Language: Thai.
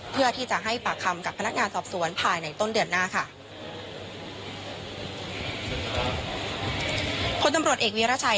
เพื่อที่จะให้ปากคำกับพนักงานสอบสวนภายในต้นเดือนหน้าค่ะ